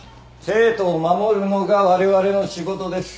生徒を守るのがわれわれの仕事です。